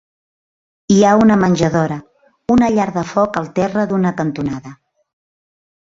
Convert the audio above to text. Hi ha una menjadora, una llar de foc al terra d'una cantonada.